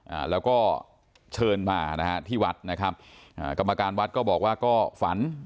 อ่าแล้วก็เชิญมานะฮะที่วัดนะครับอ่ากรรมการวัดก็บอกว่าก็ฝัน